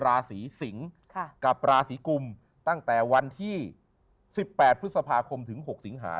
ราศีสิงกับราศีกุมตั้งแต่วันที่๑๘พฤษภาคมถึง๖สิงหา